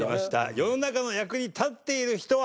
世の中の役に立っている人は？